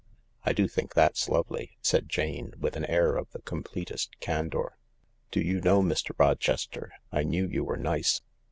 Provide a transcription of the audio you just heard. I do think that's lovely," said Jane, with an air of the completest candour. " Do you know, Mr. Rochester, I knew you were nice.